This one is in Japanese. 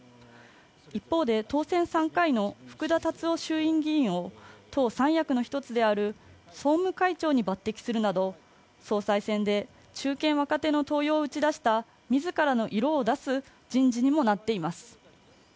一方で当選３回の福田達夫衆院議員を党三役の一つである総務会長に抜てきするなど総裁選で中堅・若手の登用を打ち出した自らの色を出す人事にもなっています